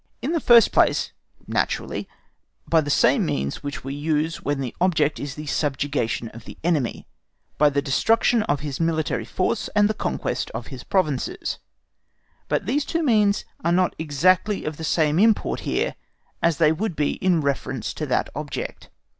In the first place, naturally by the same means which we use when the object is the subjugation of the enemy, by the destruction of his military force and the conquest of his provinces; but these two means are not exactly of the same import here as they would be in reference to that object.